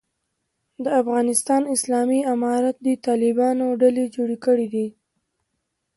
د افغانستان اسلامي امارت د طالبانو ډلې جوړ کړی دی.